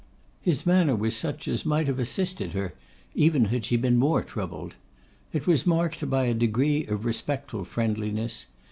His manner was such as might have assisted her, even had she been more troubled. It was marked by a degree of respectful friendliness.